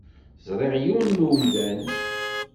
Ẓriɣ yiwen n umdan.